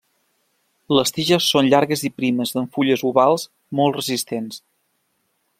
Les tiges són llargues i primes amb fulles ovals molt resistents.